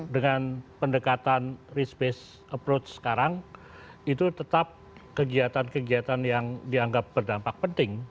dengan pendekatan risk based approach sekarang itu tetap kegiatan kegiatan yang dianggap berdampak penting